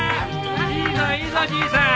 いいぞいいぞじいさん。